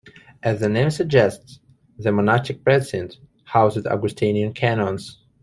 As the name suggests, the monastic precinct housed Augustinian canons.